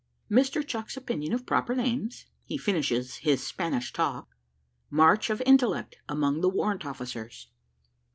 MR. CHUCKS' OPINION OF PROPER NAMES HE FINISHES HIS SPANISH TALK MARCH OF INTELLECT AMONG THE WARRANT OFFICERS.